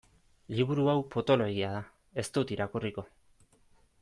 Liburu hau potoloegia da, ez dut irakurriko.